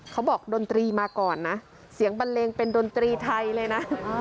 ดนตรีมาก่อนนะเสียงบันเลงเป็นดนตรีไทยเลยนะ